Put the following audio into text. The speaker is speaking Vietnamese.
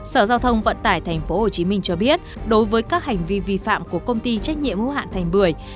sở giao thông vận tải tp hcm cho biết đối với các hành vi vi phạm của công ty trách nhiệm hữu hạn thành bưởi